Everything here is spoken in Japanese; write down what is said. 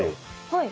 はい。